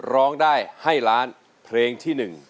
ร้องได้ให้ล้านเพลงที่๑